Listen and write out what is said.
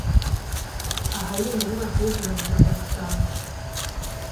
ahayinga umwaka w’igihumbi maganatanu